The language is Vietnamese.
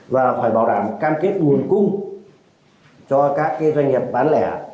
và phải bảo đảm cam kết nguồn cung cho các doanh nghiệp bán lẻ